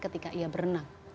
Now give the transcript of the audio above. ketika ia berenang